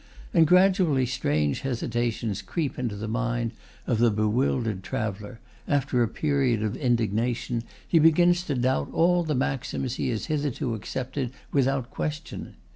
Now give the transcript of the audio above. And gradually strange hesitations creep into the mind of the bewildered traveller; after a period of indignation, he begins to doubt all the maxims he has hitherto accepted without question.